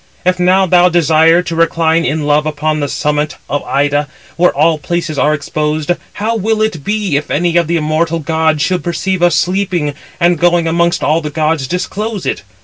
If now thou desire to recline in love upon the summit of Ida, where all places are exposed, how will it be, if any of the immortal gods should perceive us sleeping, and, going amongst all the gods, disclose it?